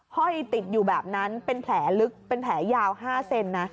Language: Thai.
ห้อยติดอยู่แบบนั้นเป็นแผลลึกเป็นแผลยาว๕เซนนะ